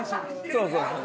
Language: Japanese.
そうそうそう。